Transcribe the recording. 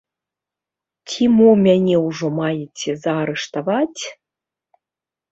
Ці мо мяне ўжо маеце заарыштаваць?